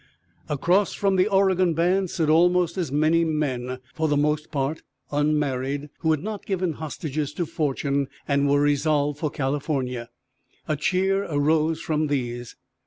Across from the Oregon band stood almost as many men, for the most part unmarried, who had not given hostages to fortune, and were resolved for California. A cheer arose from these.